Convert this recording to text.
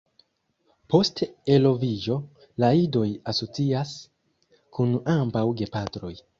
Post eloviĝo, la idoj asocias kun ambaŭ gepatroj.